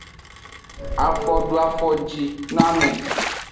Afodoafojinoame.